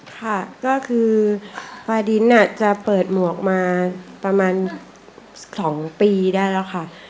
ค่ะก็คือปลาดินจะเปิดหมวกมาประมาณ๒ปีได้แล้วค่ะ